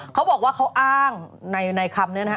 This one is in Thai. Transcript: เขาบอกว่าเขาอ้างในคำนี้นะฮะ